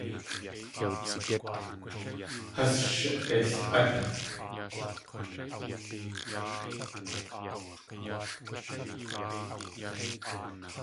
Has sh il.át.